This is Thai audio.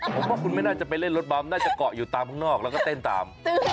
ผมว่าคุณไม่น่าจะไปเล่นรถบัมน่าจะเกาะอยู่ตามข้างนอกแล้วก็เต้นตาม